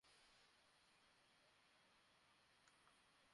প্রত্যেক বিজ্ঞ আলেমও সৈনিক হতেন।